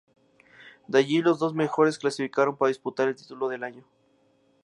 De allí los dos mejores clasificaron para disputar el título del año.